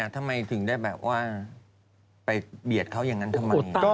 ทำไมถึงได้แบบว่าไปเบียดเขาอย่างนั้นทำไม